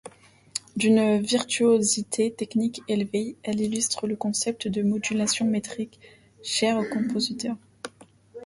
D'une virtuosité technique élevée, elles illustrent le concept de modulation métrique cher au compositeur.